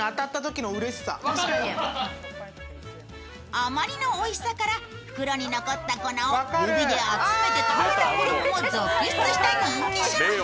あまりのおいしさから、袋に残った粉を指で集めて食べた子供も続出した人気商品。